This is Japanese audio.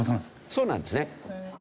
そうなんですね。